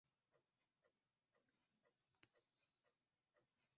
Hubadilisha kiwango cha calcification na kufukuza zooxanthellae